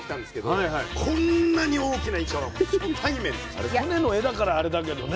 あれ船の画だからあれだけどね。